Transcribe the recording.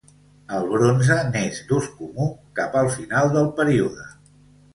El bronze n'és d'ús comú cap al final del període.